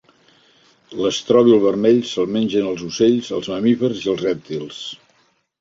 L'estròbil vermell se'l mengen els ocells, els mamífers i els rèptils.